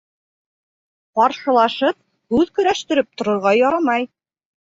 Ҡаршылашып һүҙ көрәштереп торорға ярамай.